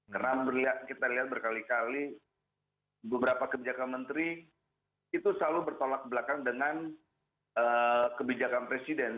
karena kita lihat berkali kali beberapa kebijakan menteri itu selalu bertolak belakang dengan kebijakan presiden